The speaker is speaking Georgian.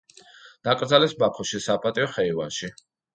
დაკრძალეს ბაქოში საპატიო ხეივანში.